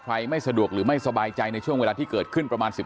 ไม่สะดวกหรือไม่สบายใจในช่วงเวลาที่เกิดขึ้นประมาณ๑๕